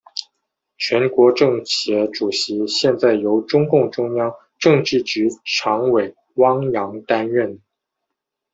全国政协主席现在由中共中央政治局常委汪洋担任。